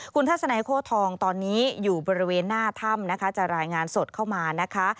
คุณทัศนัยโค้ทองตอนนี้อยู่บริเวณหน้าถ้ำนะคะจะรายงานสดเข้ามานะคะ